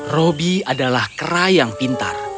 robby adalah kera yang pintar